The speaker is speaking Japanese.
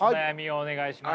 お願いします。